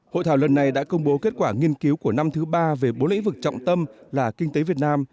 hội thảo lần này đã công bố kết quả nghiên cứu của năm thứ ba về bốn lĩnh vực trọng tâm là kinh tế việt nam